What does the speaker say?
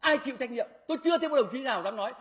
ai chịu trách nhiệm tôi chưa thấy có đồng chí nào dám nói